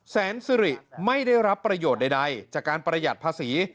แสนสิริไม่ได้รับประโยชน์ใดจากการประหยัดภาษี